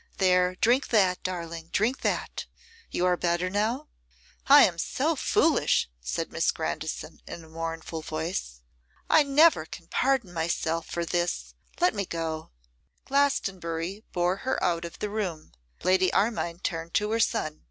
There, drink that, darling, drink that. You are better now?' 'I am so foolish,' said Miss Grandison, in a mournful voice. 'I never can pardon myself for this. Let me go.' Glastonbury bore her out of the room; Lady Armine turned to her son.